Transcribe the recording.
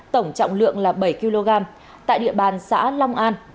tổng trọng lượng là bảy kg tại địa bàn xã long an